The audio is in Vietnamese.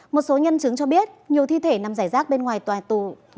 một số nhân chứng cho biết nhiều thi thể nằm giải rác bên ngoài tòa tù